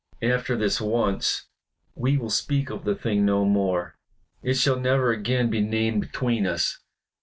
After this once we will speak of the thing no more; it shall never again be named between us.